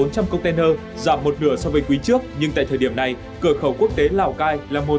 triệu giảm một nửa so với quý trước nhưng tại thời điểm này cửa khẩu quốc tế lào cai là một